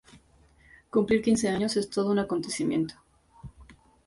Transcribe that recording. Cumplir quince años es todo un acontecimiento.